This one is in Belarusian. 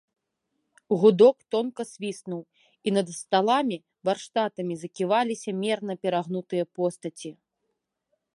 Гудок тонка свіснуў, і над сталамі, варштатамі заківаліся мерна перагнутыя постаці.